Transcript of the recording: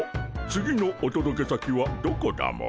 次のおとどけ先はどこだモ？